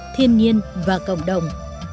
nhiên nhiên và cộng đồng